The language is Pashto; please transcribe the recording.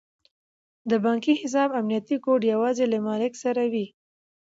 د بانکي حساب امنیتي کوډ یوازې له مالیک سره وي.